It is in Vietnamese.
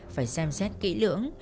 phải xem xét kỹ lưỡng